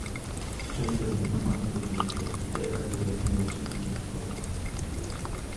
پۈتۈن بەدىنى قان بولۇپ كەتكەن دەرەخ يىلىنى بولسا كېتىپ قالغان.